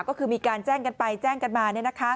ก็คือมีการแจ้งกันไปแจ้งกันมา